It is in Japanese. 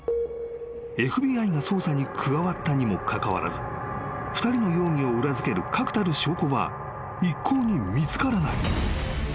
［ＦＢＩが捜査に加わったにもかかわらず２人の容疑を裏付ける確たる証拠は一向に見つからない］